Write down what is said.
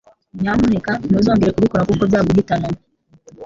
Nyamuneka ntuzongere kubikora kuko byaguhitana.